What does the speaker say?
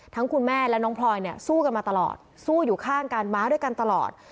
คุณแม่และน้องพลอยเนี่ยสู้กันมาตลอดสู้อยู่ข้างกันม้าด้วยกันตลอด